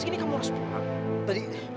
terima kasih papa